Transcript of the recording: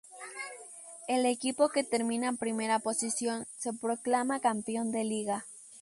El equipo que termina en primera posición se proclama campeón de Liga.